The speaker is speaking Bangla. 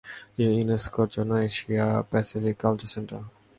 ইউনেস্কোর জন্য এশিয়া/প্যাসিফিক কালচারাল সেন্টার।